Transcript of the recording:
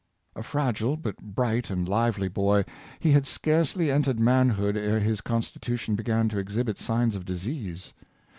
A fragile but bright and lively boy, he had scarcely entered manhood ere his constitution began to exhibit signs of disease.